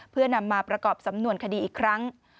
เพื่อนำมาประกอบสำนวนคดีอีกครั้ง